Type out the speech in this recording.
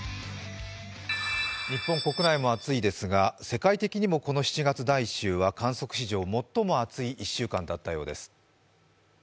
日本国内も暑いですが、世界的にもこの７月第１週は観測史上最も暑い１週間だったようです。